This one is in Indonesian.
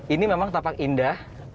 ini memang tampak indah